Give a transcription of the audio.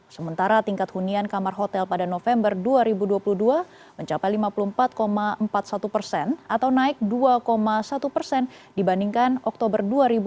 sementara tingkat hunian kamar hotel pada november dua ribu dua puluh dua mencapai lima puluh empat empat puluh satu persen atau naik dua satu persen dibandingkan oktober dua ribu dua puluh